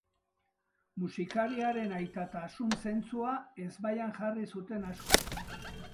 Musikariaren aitatasun-zentzua ezbaian jarri zuten askok.